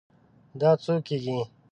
دا څو کیږي؟